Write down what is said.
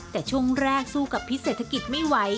แต่ช่วงแรกสู้กับพิเศรษฐกิจไม่ไหว